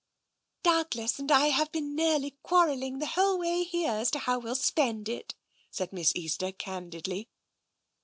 " Douglas and I have been nearly quarrelling the whole way here as to how we'll spend it," said Miss Easter candidly.